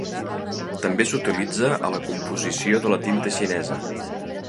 També s'utilitza a la composició de la tinta xinesa.